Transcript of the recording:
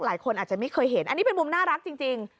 หลายคนอาจจะไม่เคยเห็นอันนี้เป็นมุมน่ารักจริง